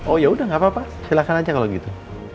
oh ya udah gak apa apa silahkan aja kalau gitu